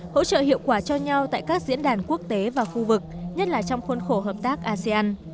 hỗ trợ hiệu quả cho nhau tại các diễn đàn quốc tế và khu vực nhất là trong khuôn khổ hợp tác asean